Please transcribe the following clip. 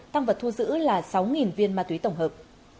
tăng vật thu giữ là sáu viên ma túy tổng hợp